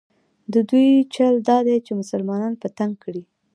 د دوی چل دا دی چې مسلمانان په تنګ کړي.